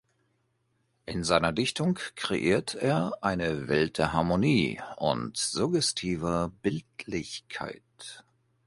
In seiner Dichtung kreiert er eine Welt der Harmonie und suggestiver Bildlichkeit.